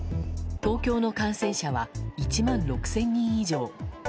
東京の感染者は１万６０００人以上。